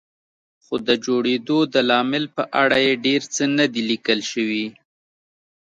خو د جوړېدو د لامل په اړه یې ډېر څه نه دي لیکل شوي.